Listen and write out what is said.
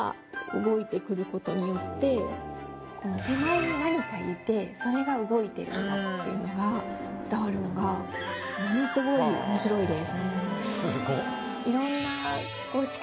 手前に何かいてそれが動いてるんだっていうのが伝わるのがものすごい面白いです。